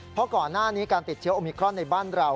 เพราะก่อนหน้านี้การติดเชื้อโอมิครอนในบ้านเรา